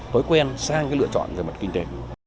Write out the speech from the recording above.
tối quen sang lựa chọn về mặt kinh tế